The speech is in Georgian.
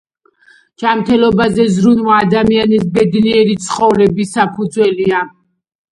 ჯანმრთელობაზე ზრუნვა ადამიანის ბედნიერი ცხოვრების საფუძველია.